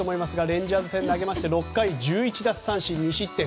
レンジャーズ戦、投げまして６回１１奪三振２失点。